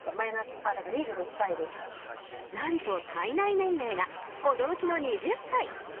何と体内年齢が驚きの２０歳。